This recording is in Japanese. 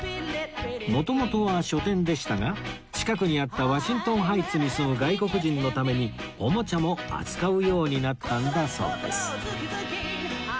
元々は書店でしたが近くにあったワシントンハイツに住む外国人のためにおもちゃも扱うようになったんだそうです